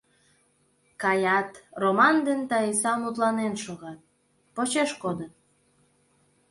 Каят, Роман ден Таиса мутланен шогат, почеш кодыт.